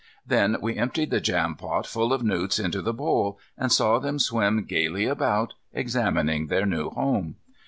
Then we emptied the jam pot full of newts into the bowl, and saw them swim gaily about examining their new home.